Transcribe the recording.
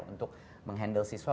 untuk menghandle siswa